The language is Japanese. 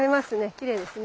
きれいですね。